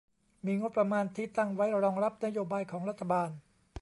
มีงบประมาณที่ตั้งไว้รองรับนโยบายของรัฐบาล